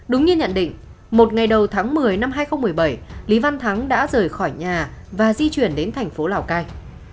đúng như nhận định một ngày đầu tháng một mươi năm hai nghìn một mươi bảy lý văn thắng đã rời khỏi nhà và di chuyển đến thành phố lào cai